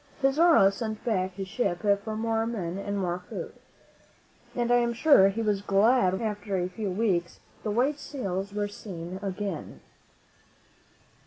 Pizarro sent back his ship for more men and more food, and I am sure he was glad when, after a few weeks, the white sails were seen again.